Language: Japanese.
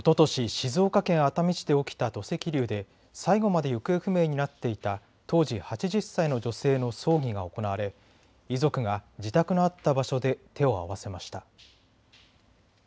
静岡県熱海市で起きた土石流で最後まで行方不明になっていた当時８０歳の女性の葬儀が行われ遺族が自宅のあった場所で手を合わせました。